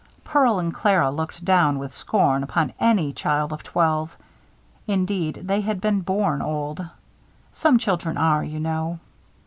Pearl and Clara looked down, with scorn, upon any child of twelve. Indeed, they had been born old. Some children are, you know.